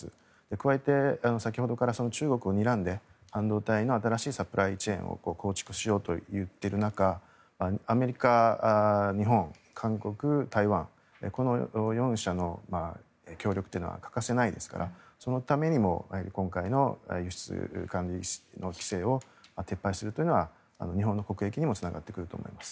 加えて、先ほどから中国をにらんで半導体の新しいサプライチェーンを構築しようと言っている中アメリカ、日本、韓国、台湾この４者の協力というのは欠かせないですからそのためにも今回の輸出管理規制を撤廃するというのは日本の国益にもつながってくると思います。